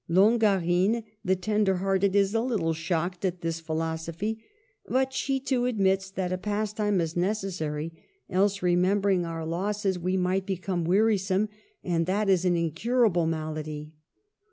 Longarine, the tender hearted, is a little shocked at this phi losophy; but she too admits that a pastime is necessary, *' else, remembering our losses, we THE '' HEP TAME RON.'' 211 might become wearisome, and that is an incur able malady."